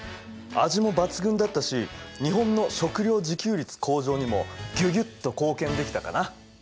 味も抜群だったし日本の食料自給率向上にもギュギュッと貢献できたかな。